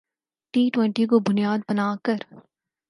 T twenty کو بنیاد بنا کر